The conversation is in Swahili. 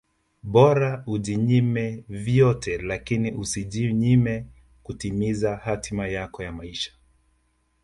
Bora ujinyime vyote lakini usijinyime kutimiza hatima yako ya maisha